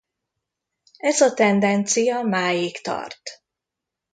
Ez a tendencia máig tart.